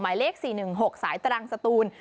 หมายเลข๔๑๖สายตรังสตูน